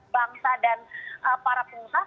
bangsa dan para pengusaha